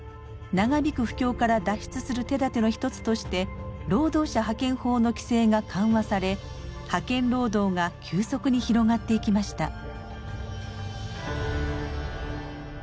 長引く不況から脱出する手だての一つとして労働者派遣法の規制が緩和され派遣労働が急速に広がっていきました。